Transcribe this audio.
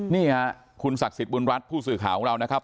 นี่ค่ะคุณศักดิ์สิทธิบุญรัฐผู้สื่อข่าวของเรานะครับ